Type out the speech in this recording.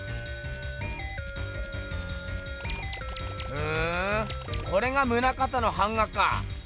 ふんこれが棟方の版画か。